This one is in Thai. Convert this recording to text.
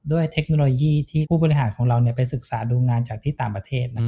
เทคโนโลยีที่ผู้บริหารของเราไปศึกษาดูงานจากที่ต่างประเทศ